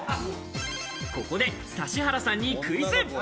ここで指原さんにクイズ。